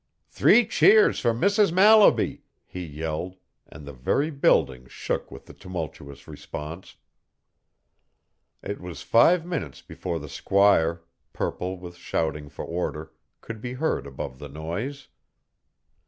"Three cheers for Mrs. Mallaby!" he yelled, and the very building shook with the tumultuous response. It was five minutes before the squire, purple with shouting for order, could be heard above the noise.